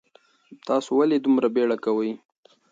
تاسو ولې دومره بیړه کوئ؟